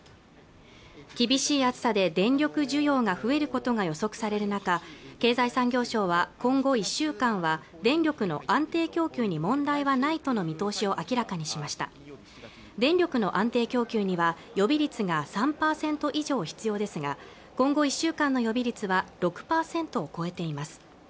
厳しい暑さで電力需要が増えることが予測される中経済産業省は今後１週間は電力の安定供給に問題はないとの見通しを明らかにしました電力の安定供給には予備率が３％以上必要ですが今後１週間の予備率は６％を超えています